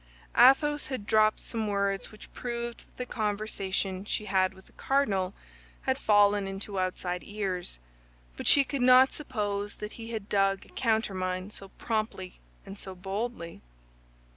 Athos had dropped some words which proved that the conversation she had with the cardinal had fallen into outside ears; but she could not suppose that he had dug a countermine so promptly and so boldly.